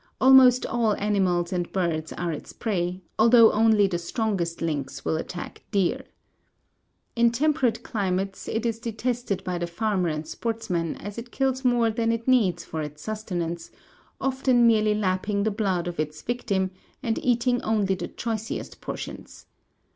Almost all animals and birds are its prey, although only the strongest lynx will attack deer. In temperate climates it is detested by the farmer and sportsman as it kills more than it needs, for its sustenance, often merely lapping the blood of its victim, and eating only the choicest portions.